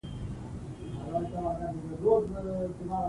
د ناروغۍ په وخت کې ژر تر ژره ډاکټر ته ځان ښکاره کړئ.